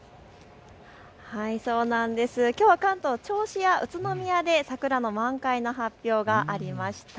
きょうは関東、銚子や宇都宮で桜の満開の発表がありました。